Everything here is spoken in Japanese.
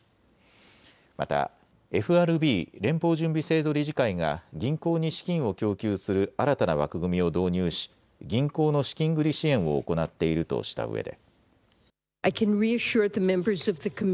またＦＲＢ・連邦準備制度理事会が銀行に資金を供給する新たな枠組みを導入し銀行の資金繰り支援を行っているとしたうえで。